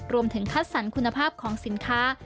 รวมถึงคัดสรรคุณภาพของสินค้า